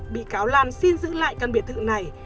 bị cáo lan xin giữ lại căn biệt thự này